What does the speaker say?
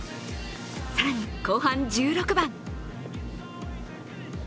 更に後半１６番。